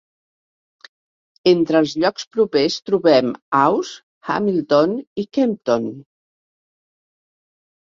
Entre els llocs propers trobem Ouse, Hamilton i Kempton.